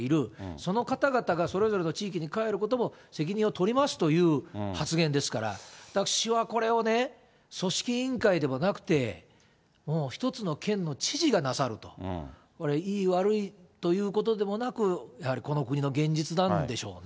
その方々がそれぞれの地域に帰ることも責任を取りますという発言ですから、私はこれをね、組織委員会でもなくて、もう一つの県の知事がなさると、いい悪いということでもなく、やはりこの国の現実なんでしょうね。